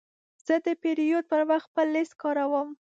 زه د پیرود پر وخت خپل لیست کاروم.